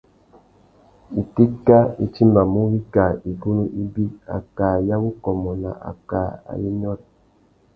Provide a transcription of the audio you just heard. Itéka i timbamú wikā igunú ibi: akā ya wukômô na akā ayê nyôrê.